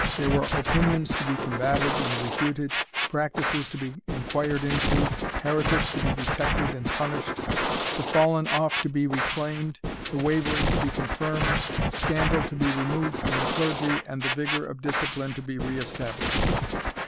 There were opinions to be combated and refuted practices to be inquired into heretics to be detected and punished the fallen off to be reclaimed the wavering to be confirmed scandal to be removed from the clergy, and the vigour of discipline to be re established.